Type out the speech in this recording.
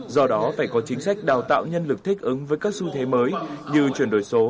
do đó phải có chính sách đào tạo nhân lực thích ứng với các xu thế mới như chuyển đổi số